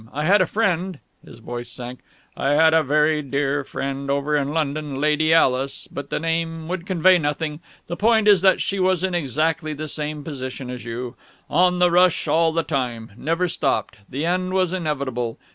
I had a friend " His voice sank "I had a very dear friend over in London, Lady Alice but the name would convey nothing the point is that she was in exactly the same position as you. On the rush all the time. Never stopped. The end was inevitable.